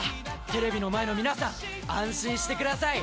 テレビの前の皆さん安心してください。